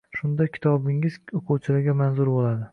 Shunda kitobingiz o‘quvchilarga manzur bo‘ladi.